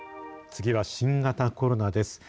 次は新型コロナです。